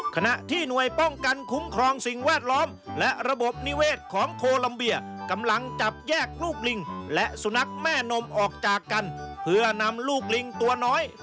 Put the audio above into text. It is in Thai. ขณะที่หน่วยป้องกันคุ้มครองสิ่งแวดล้อมและระบบนิเวศของโคลัมเบียกำลังจับแยกลูกลิงและสุนัขแม่นมออกจากกันเพื่อนำลูกลิงตัวน้อย